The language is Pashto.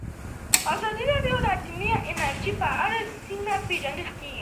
ازادي راډیو د اټومي انرژي په اړه سیمه ییزې پروژې تشریح کړې.